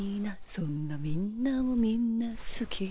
「そんなみんなをみんなすき」